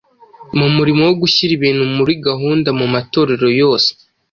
Mu murimo wo gushyira ibintu muri gahunda mu matorero yose